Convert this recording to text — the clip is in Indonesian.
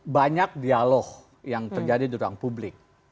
banyak dialog yang terjadi di ruang publik